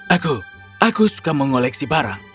aku aku suka mengoleksi barang